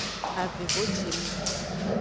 Kavehocine.